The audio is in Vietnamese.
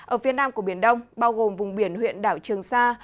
ở phía nam của biển đông bao gồm vùng biển huyện đảo trường sa